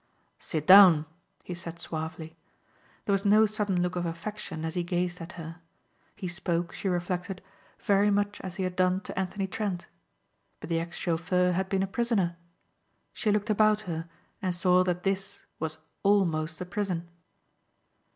"Sit down," he said suavely. There was no sudden look of affection as he gazed at her. He spoke, she reflected, very much as he had done to Anthony Trent. But the ex chauffeur had been a prisoner. She looked about her and saw that this was almost a prison.